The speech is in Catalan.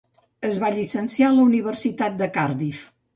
Es va llicenciar a la Universitat de Cardiff.